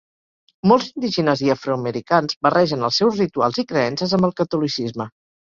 Molts indígenes i afroamericans, barregen els seus rituals i creences amb el catolicisme.